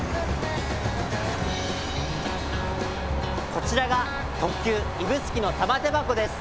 こちらが特急指宿のたまて箱です！